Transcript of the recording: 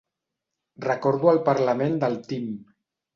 Recordo el parlament del Tim.